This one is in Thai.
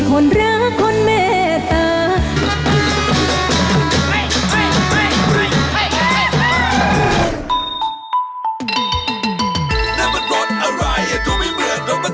โปรปนันก็แย่งกัน